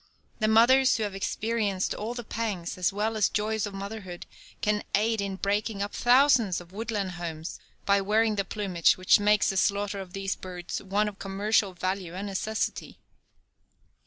That mothers who have experienced all the pangs as well as joys of motherhood can aid in breaking up thousands of woodland homes by wearing the plumage which makes the slaughter of these birds one of commercial value and necessity.